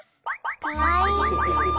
かわいい！